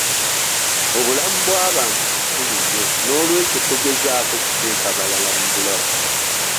Obulamu bw'abantu kikulu nnyo n'olwekyo togezaako kuteeka balala mu bulabe.